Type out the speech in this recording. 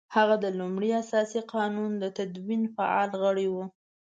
هغه د لومړني اساسي قانون د تدوین فعال غړی وو.